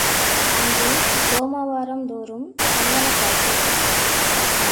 அங்கு சோமவாரம் தோறும் சந்தனக் காப்பு.